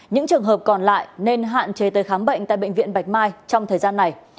những trường hợp còn lại nên hạn chế tới khám bệnh tại bệnh viện bạch mai trong thời gian này